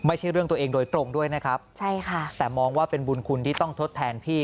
ไม่ใช่เรื่องตัวเองโดยตรงด้วยนะครับใช่ค่ะแต่มองว่าเป็นบุญคุณที่ต้องทดแทนพี่